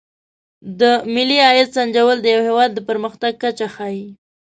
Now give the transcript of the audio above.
د ملي عاید سنجول د یو هېواد د پرمختګ کچه ښيي.